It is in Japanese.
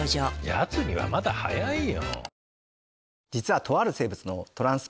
やつにはまだ早いよ。